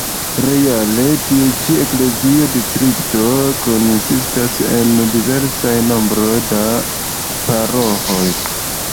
Reale tiu ĉi "eklezia distrikto" konsistas el diversa nombro da paroĥoj.